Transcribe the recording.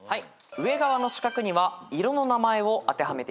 上側の四角には色の名前を当てはめてみましょう。